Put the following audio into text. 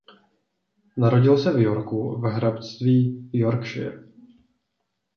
Narodil se v Yorku v hrabství Yorkshire.